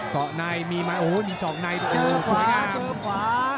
เกาะในมีมาโอ้โหมีสองในเจอขวาเจอขวา